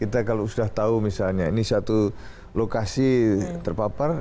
kita kalau sudah tahu misalnya ini satu lokasi terpapar